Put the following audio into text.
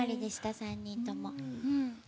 ３人とも。